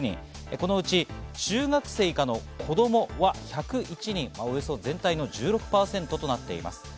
このうち中学生以下の子供は１０１人、およそ全体の１６％となっています。